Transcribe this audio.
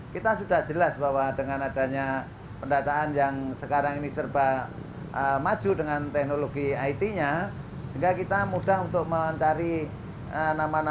kami buradan ke bawah dan melakukan pendataan warga masyarakat yang benar benar hidup di bawah kemiskinan